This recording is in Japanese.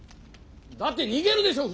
だって逃げるでしょ？